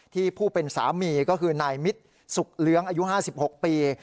ผู้เป็นสามีก็คือนายมิตรสุขเลี้ยงอายุ๕๖ปี